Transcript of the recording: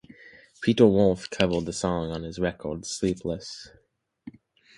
Peter Wolf covered the song on his record "Sleepless".